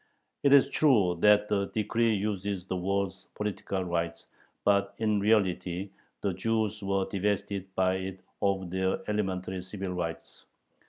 It is true that the decree uses the words "political rights," but in reality the Jews were divested by it of their elementary civil rights.